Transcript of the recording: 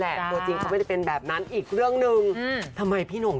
แต่จริงเฝ้าไม่ได้เป็นแบบนั้นอีกเรื่องหนึ่ง